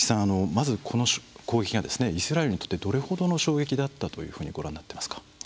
まずこの攻撃がイスラエルにとってどれほどの衝撃だったとご覧になっていますか？